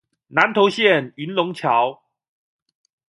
南投縣雲龍橋